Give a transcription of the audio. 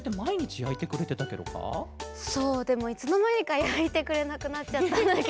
でもいつのまにかやいてくれなくなっちゃったんだけど。